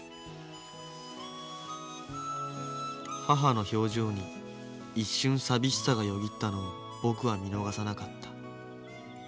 母の表情に一瞬寂しさがよぎったのを僕は見逃さなかった。